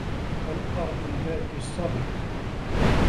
وَالأَرضِ ذاتِ الصَّدعِ